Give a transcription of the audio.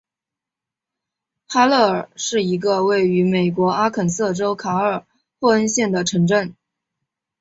哈勒尔是一个位于美国阿肯色州卡尔霍恩县的城镇。